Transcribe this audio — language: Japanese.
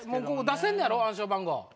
出せんのやろ暗証番号。